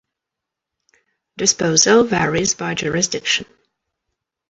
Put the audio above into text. Disposal varies by jurisdiction.